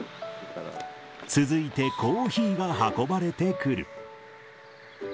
続いてコーヒーが運ばれてくる。